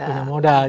dan punya modal juga